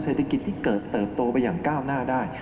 เศรษฐกิจที่เกิดเติบโตไปอย่างก้าวหน้าได้